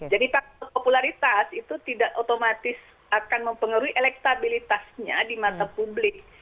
jadi popularitas itu tidak otomatis akan mempengaruhi elektabilitasnya di mata publik